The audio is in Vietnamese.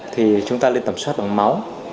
thì chúng ta nên tầm soát bằng máu